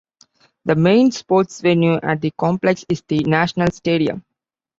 The main sports venue at the complex is the National Stadium.